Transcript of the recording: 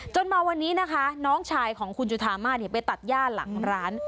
มาวันนี้นะคะน้องชายของคุณจุธามาไปตัดย่าหลังร้าน